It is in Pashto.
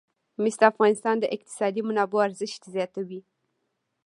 مس د افغانستان د اقتصادي منابعو ارزښت زیاتوي.